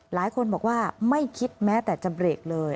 หลายคนบอกว่าไม่คิดแม้แต่จะเบรกเลย